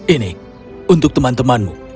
ini untuk teman temanmu